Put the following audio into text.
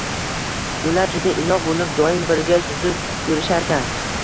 Ular juda inoq bo‘lib, doim birga suzib yurisharkan